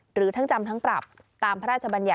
หรือทั้งจำทั้งปรับตามพระราชบัญญัติ